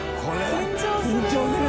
緊張する！